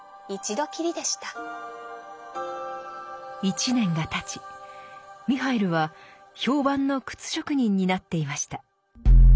一年がたちミハイルは評判の靴職人になっていました。